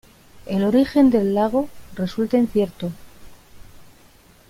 El origen del lago resulta incierto.